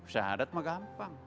syahadat mah gampang